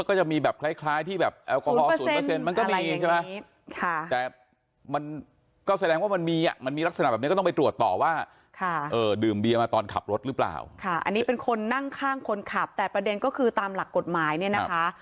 ก็แสดงว่ามันมีอ่ะมันมีลักษณะแบบนี้ก็ต้องไปตรวจต่อว่าค่ะเออดื่มเบียร์มาตอนขับรถหรือเปล่าค่ะอันนี้เป็นคนนั่งข้างคนขับแต่ประเด็นก็คือตามหลักกฎหมายเนี้ยนะคะ